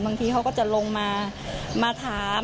บางทีเขาก็จะลงมามาถาม